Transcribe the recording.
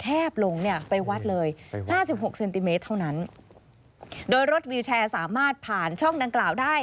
ลงเนี่ยไปวัดเลยห้าสิบหกเซนติเมตรเท่านั้นโดยรถวิวแชร์สามารถผ่านช่องดังกล่าวได้